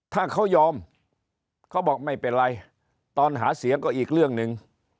ถ้าเขายอมเขาบอกไม่เป็นไรตอนหาเสียงก็อีกเรื่องหนึ่ง